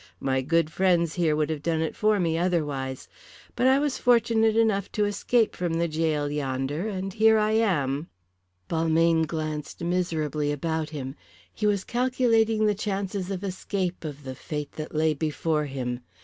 My good friends here would have done it for me otherwise. But I was fortunate enough to escape from the gaol yonder, and here I am." Balmayne glanced miserably about him. He was not listening at all. He was calculating the chances of escape, of the fate that lay before him.